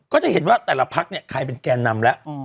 ก็จะเห็นว่าแต่ละพักเนี่ยใครเป็นแกนนำแล้ว